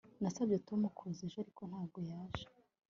Nasabye Tom kuza ejo ariko ntabwo yaje